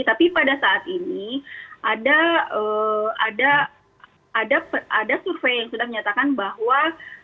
tapi pada saat ini ada survei yang sudah menyatakan bahwa